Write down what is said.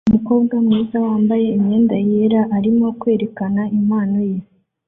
Umukobwa mwiza wambaye imyenda yera arimo kwerekana impano ye